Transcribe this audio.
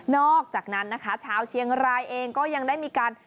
อกจากนั้นนะคะชาวเชียงรายเองก็ยังได้มีการ